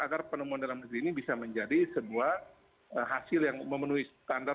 agar penemuan dalam negeri ini bisa menjadi sebuah hasil yang memenuhi standar